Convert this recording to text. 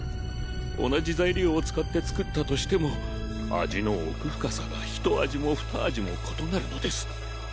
同じ材料を使って作ったとしても味の奥深さがひと味もふた味も異なるのです。